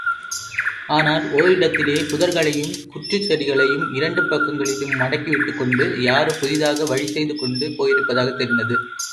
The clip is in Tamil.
ஆனால் ஓரிடத்திலே புதர்களையும் குற்றுச் செடிகளையும் இரண்டு பக்கங்களிலும் மடக்கிவிட்டுக்கொண்டு யாரோ புதிதாக வழி செய்துகொண்டு போயிருப்பதாகத் தெரிந்தது.